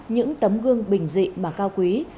những tấm gương bình dị mà cao quý